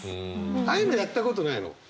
ああいうのやったことないの？